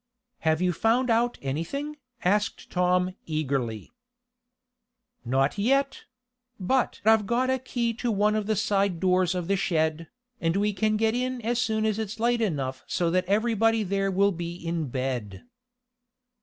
"Have you found out anything?" asked Tom eagerly. "Not yet; but I've got a key to one of the side doors of the shed, and we can get in as soon as it's late enough so that everybody there will be in bed."